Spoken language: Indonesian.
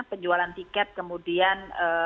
penjualan tiket kemudian